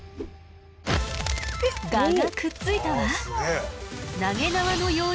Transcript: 蛾がくっついたわ！